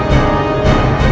tadi aku nyariin handphone andin